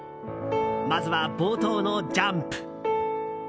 まずは、冒頭のジャンプ。